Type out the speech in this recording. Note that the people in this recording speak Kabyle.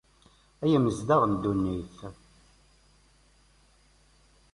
Ay imezdaɣ n ddunit!